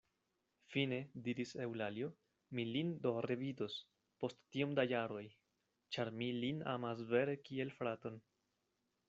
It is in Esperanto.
Fine, diris Eŭlalio, mi lin do revidos, post tiom da jaroj; ĉar mi lin amas vere kiel fraton.